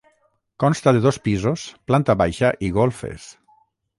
Consta de dos pisos, planta baixa i golfes.